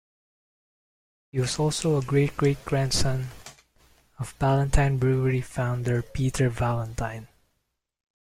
He was also a great-great-grandson of Ballantine Brewery founder Peter Ballantine.